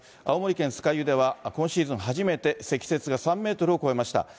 青森県酸ヶ湯では今シーズン初めて積雪が３メートルを超えました。